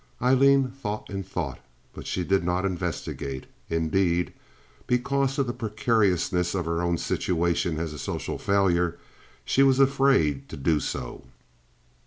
Aileen thought and thought, but she did not investigate. Indeed, because of the precariousness of her own situation as a social failure she was afraid to do so.